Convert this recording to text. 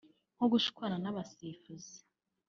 ko gushwana n’abasifuzi